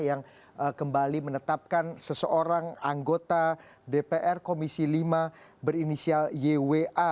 yang kembali menetapkan seseorang anggota dpr komisi lima berinisial ywa